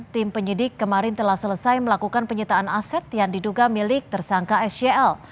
tim penyidik kemarin telah selesai melakukan penyitaan aset yang diduga milik tersangka scl